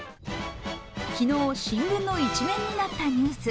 昨日、新聞の１面になったニュース。